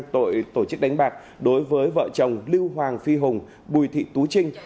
tội tổ chức đánh bạc đối với vợ chồng lưu hoàng phi hùng bùi thị tú trinh